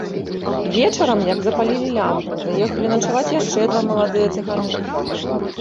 Вечарам, як запалілі лямпу, заехалі начаваць яшчэ два маладыя цыганы.